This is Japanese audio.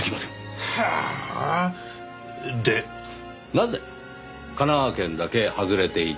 なぜ神奈川県だけ外れていたのか。